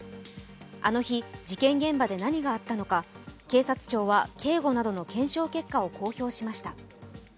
あの日、事件現場で何があったのか警察庁は警護などの検証結果を公表しました。